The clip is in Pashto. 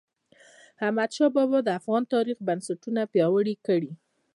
احمدشاه بااب د افغان تاریخ بنسټونه پیاوړي کړل.